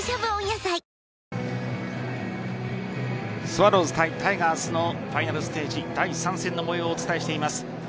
スワローズ対タイガースのファイナルステージ第３戦の模様をお伝えしています。